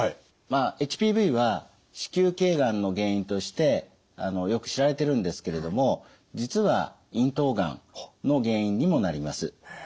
まあＨＰＶは子宮頸がんの原因としてよく知られてるんですけれども実は咽頭がんの原因にもなります。